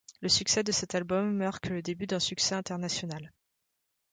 Le succès de cet album marque le début d'un succès international.